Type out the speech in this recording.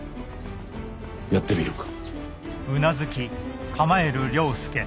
やってみるか？